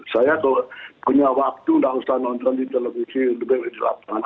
saya kalau punya waktu tidak usah nonton di televisi di telepon di lapangan